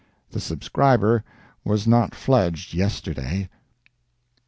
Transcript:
The subscriber was not fledged yesterday.